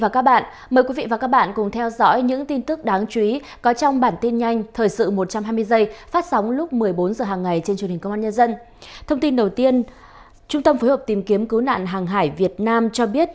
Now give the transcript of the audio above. các bạn hãy đăng ký kênh để ủng hộ kênh của chúng mình nhé